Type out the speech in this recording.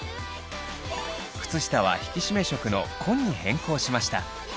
靴下は引き締め色の紺に変更しました。